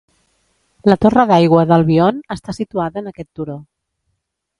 La torre d'aigua d'Albion està situada en aquest turó.